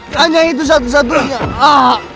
hanya itu satu satunya